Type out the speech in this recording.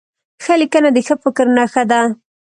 ښه لیکنه د ښه فکر نښه ده.